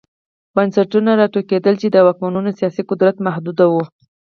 بنسټونه را وټوکېدل چې د واکمنانو سیاسي قدرت محدوداوه.